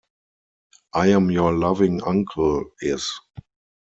I am Your loving Unkle, Is.